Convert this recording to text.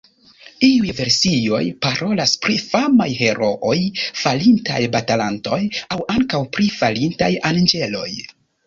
Iuj versioj parolas pri famaj herooj, falintaj batalantoj aŭ ankaŭ pri falintaj anĝeloj.